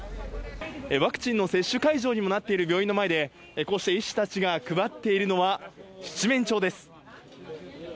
ワクチンの接種会場にもなっている病院の前で、こうして医師たちが配っているのは、七面鳥です。